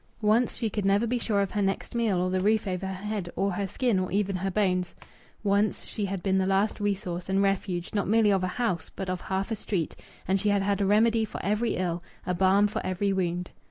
Once she could never be sure of her next meal, or the roof over her head, or her skin, or even her bones. Once she had been the last resource and refuge not merely of a house, but of half a street, and she had had a remedy for every ill, a balm for every wound.